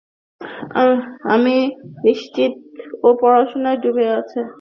আমি নিশ্চিত ও পড়াশোনায় ডুবে আছে!